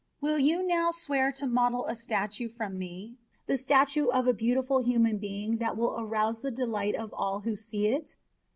Will you now swear to model a statue from me, the statue of a beautiful human being that will arouse the delight of all who see it?